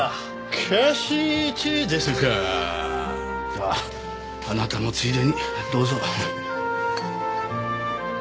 ではあなたもついでにどうぞ。